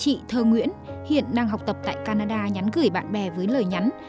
chị thơ nguyễn hiện đang học tập tại canada nhắn gửi bạn bè với lời nhắn